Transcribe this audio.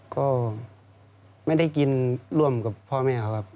ก็ไม่ได้กินร่วมกับพ่อแม่เขาครับ